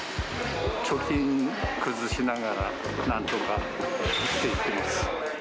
貯金崩しながら、なんとか生きていきます。